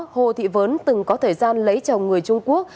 hồ thị vốn từng có thời gian lấy chồng người trung quốc